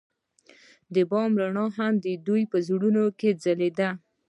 د بام رڼا هم د دوی په زړونو کې ځلېده.